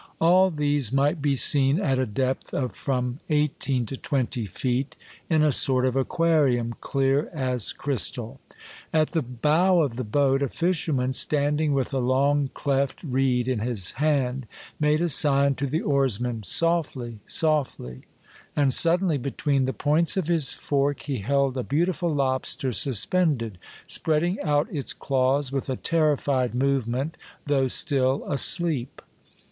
All these might be seen at a depth of from eighteen to twenty feet, in a sort of aquarium, clear as crystal. At the bow of the boat a fisherman, standing with a long cleft reed in his hand, made a sign to the oars men, " Softly, softly !" and suddenly between the points of his fork he held a beautiful lobster sus pended, spreading out its claws with a terrified movement, though still asleep.